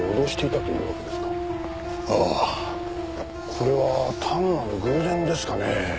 これは単なる偶然ですかねえ？